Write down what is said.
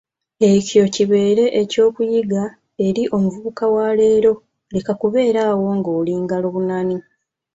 Ekyo kibeere eky’okuyiga eri omuvubuka wa leero, leka kubeera awo ng'oli ngalobunani.